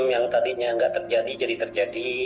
yang tadinya nggak terjadi jadi terjadi